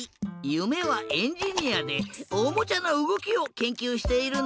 ゆめはエンジニアでおもちゃのうごきをけんきゅうしているんだって！